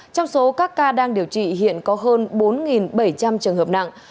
trong số các ca đang điều trị hiện có hơn bốn bảy trăm linh trường hợp nặng